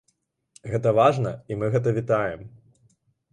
Гэта важна, і мы гэта вітаем.